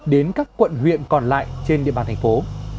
đến các quận huyện còn lại trên địa bàn thành phố